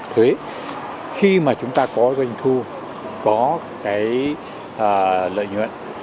thuế khi mà chúng ta có doanh thu có cái lợi nhuận